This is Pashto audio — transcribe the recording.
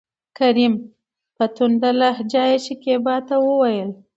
کريم : په تنده لهجه يې شکيبا ته وويل: